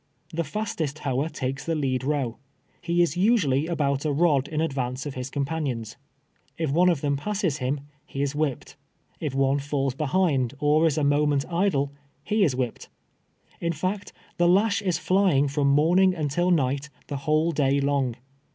The tastest hoer takes the lead row. He is nsnallj about a rod in advance of his companions. If one of them passes him, he is whip j)ed. If one falls behind or is a moment idle, he is whipped. Li fact, the lash is flying from morning until night, the whole day long.